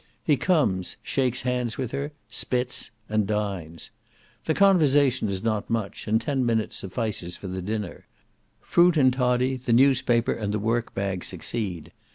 He comes, shakes hands with her, spits, and dines. The conversation is not much, and ten minutes suffices for the dinner; fruit and toddy, the newspaper and the work bag succeed.